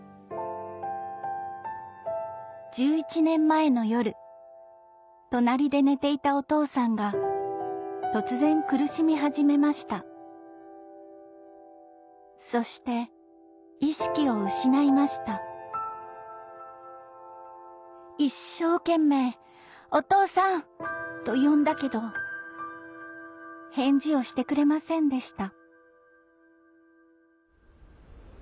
１１年前の夜隣で寝ていたお父さんが突然苦しみ始めましたそして意識を失いました一生懸命「お父さん」と呼んだけど返事をしてくれませんでした